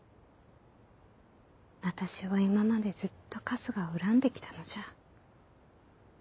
私は今までずっと春日を恨んできたのじゃ。